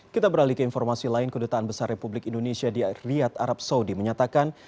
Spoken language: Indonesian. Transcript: kita beralih ke informasi lain kedutaan besar republik indonesia di riyad arab saudi menyatakan